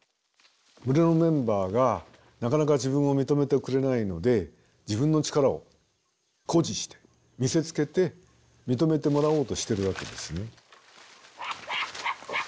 群れのメンバーがなかなか自分を認めてくれないので自分の力を誇示して見せつけて認めてもらおうとしてるわけですね。